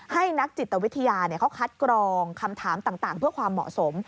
ให้นักจิตวิทยาเขาคัดกรองคำถามต่างเพื่อความเหมาะสม